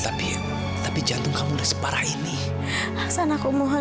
aku bisa kiri ini sih